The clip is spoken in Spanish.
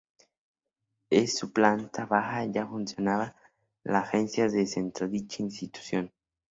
En su planta baja ya funcionaba la Agencia Centro de dicha institución.